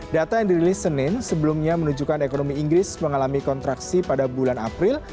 data yang dirilis senin sebelumnya menunjukkan ekonomi inggris mengalami kontraksi pada bulan april